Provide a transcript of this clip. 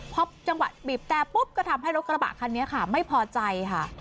พอจังหวะบีบแต่ปุ๊บก็ทำให้รถกระบะคันนี้ค่ะไม่พอใจค่ะ